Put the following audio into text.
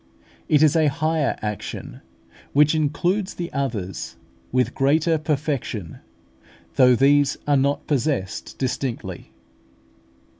It is a higher action, which includes the others, with greater perfection, though these are not possessed distinctly.